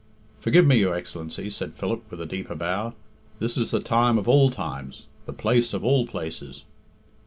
"Forgive me, your Excellency," said Philip, with a deeper bow; "this is the time of all times, the place of all places."